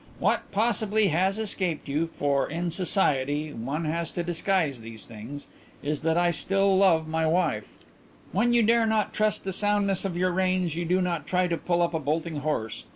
What possibly has escaped you, for in society one has to disguise these things, is that I still love my wife. "When you dare not trust the soundness of your reins you do not try to pull up a bolting horse.